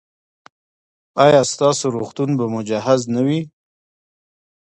ایا ستاسو روغتون به مجهز نه وي؟